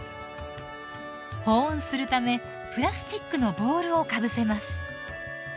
保温するためプラスチックのボウルをかぶせます。